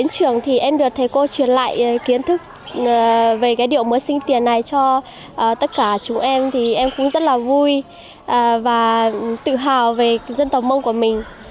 chúng tôi rất là vui và tự hào về dân tộc mông của mình